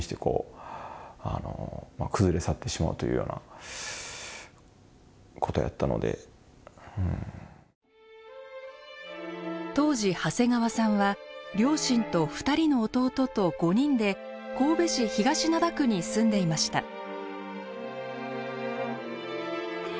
あの本当にそんな当時長谷川さんは両親と２人の弟と５人で神戸市東灘区に住んでいました。